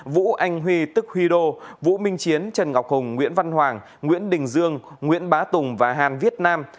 vũ anh huy tức huy đô vũ minh chiến trần ngọc hùng nguyễn văn hoàng nguyễn đình dương nguyễn bá tùng và hàn viết nam